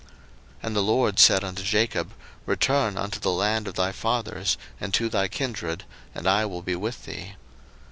01:031:003 And the LORD said unto Jacob, Return unto the land of thy fathers, and to thy kindred; and I will be with thee.